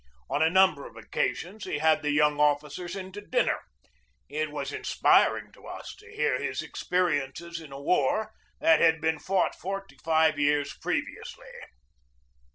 On a number of occasions he had the young officers in to dinner. It was inspiring to us to hear his experiences in a war that had been fought forty five years previously.